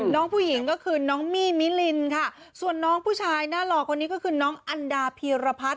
น้องผู้หญิงก็คือน้องมี่มิลินค่ะส่วนน้องผู้ชายหน้าหล่อคนนี้ก็คือน้องอันดาพีรพัฒน์